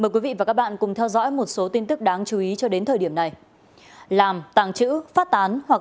cảm ơn các bạn đã theo dõi